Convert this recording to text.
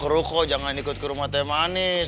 kumah itu kok jangan ikut ke rumah teh manis